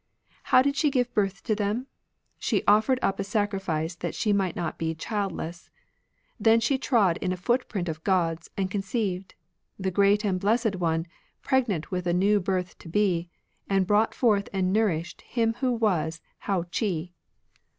How did she give birth to them 7 She offered up a sacrifice That she might not be childless; Then she trod in a footprint of God's, and conceived. The great and blessed one. Pregnant with a new birth to be, And brought forth and nourished Him who was Hou Chi.